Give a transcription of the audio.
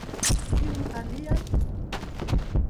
Kiun alian?